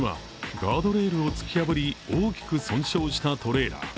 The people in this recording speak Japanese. ガードレールを突き破り大きく損傷したトレーラー。